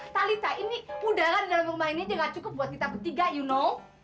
talita ini udara di dalam rumah ini juga cukup buat kita bertiga you know